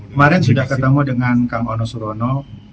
kemarin sudah ketemu dengan kang ono surono